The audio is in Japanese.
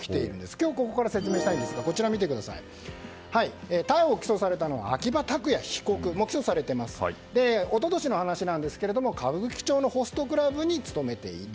今日ここから説明したいんですが逮捕・起訴されたのは秋葉拓也被告。一昨年の話なんですが歌舞伎町のホストクラブに勤めていた。